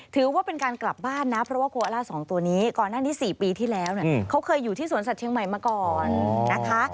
ถือว่าเป็นการกลับบ้านนะเพราะว่าโกอล่า๒ตัวนี้ก่อนหน้านี้๔ปีที่แล้วเขาเคยอยู่ที่สวนสัตว์เชียงใหม่มาก่อนนะคะ